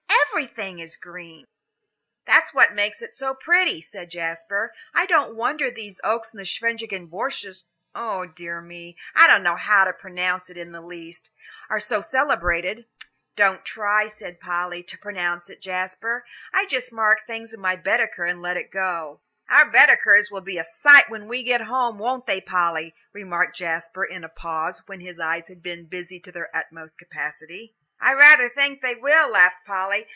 Everything is green." "That's what makes it so pretty," said Jasper. "I don't wonder these oaks in the Scheveningsche Boschjes O dear me, I don't know how to pronounce it in the least are so celebrated." "Don't try," said Polly, "to pronounce it, Jasper. I just mark things in my Baedeker and let it go." "Our Baedekers will be a sight when we get home, won't they, Polly?" remarked Jasper, in a pause, when eyes had been busy to their utmost capacity. "I rather think they will," laughed Polly.